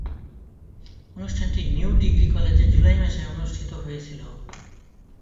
অনুষ্ঠানটি new degree কলেজে July মাসে অনুষ্ঠিত হয়েছিলো।